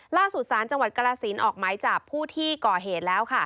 ล่าสุดสารจังหวัดกรสินออกหมายจับผู้ที่ก่อเหตุแล้วค่ะ